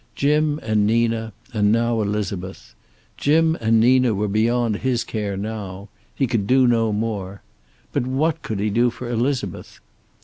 Jim and Nina, and now Elizabeth. Jim and Nina were beyond his care now. He could do no more. But what could he do for Elizabeth?